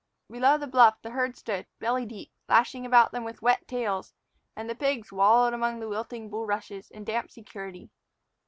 Below the bluff the herd stood, belly deep, lashing about them with wet tails, and the pigs wallowed among the wilting bulrushes in damp security.